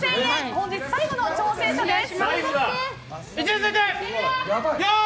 本日最後の挑戦者です。